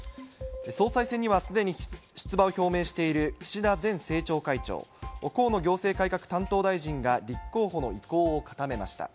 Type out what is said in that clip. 総裁選にはすでに出馬を表明している岸田前政調会長、河野行政改革担当大臣が立候補の意向を固めました。